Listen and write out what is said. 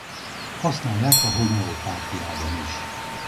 Használják a homeopátiában is.